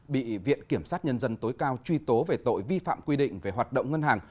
bị viện kiểm sát nhân dân tối cao truy tố về tội vi phạm quy định về hoạt động ngân hàng